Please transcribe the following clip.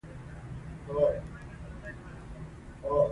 لمر هره ورځ ځلېږي.